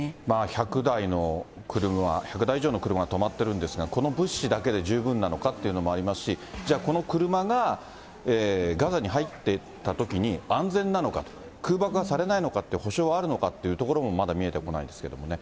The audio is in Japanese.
１００台の車、１００台以上の車、停まってるんですが、この物資だけで十分なのかっていうのもありますし、じゃあ、この車がガザに入っていったときに、安全なのか、空爆はされないのかっていう保証はあるのかっていうところもまだ見えてこないですけれどもね。